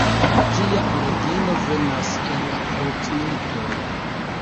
Ĝia origino venas el la Krucmilitoj.